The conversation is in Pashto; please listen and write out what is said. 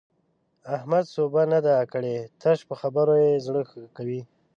احمد سوبه نه ده کړې؛ تش په خبرو يې زړه ښه کوي.